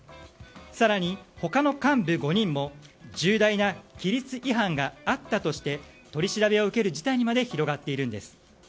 更に、他の幹部５人も重大な規律違反があったとして取り調べを受ける事態にまで広がっているんです。